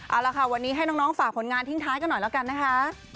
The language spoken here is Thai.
เอาละค่ะวันนี้ให้น้องฝากผลงานทิ้งท้ายกันหน่อยแล้วกันนะคะ